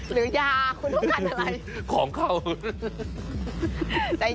หรือยาคุณต้องการอะไร